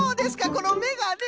このめがね。